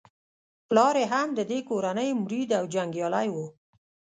پلار یې هم د دې کورنۍ مرید او جنګیالی وو.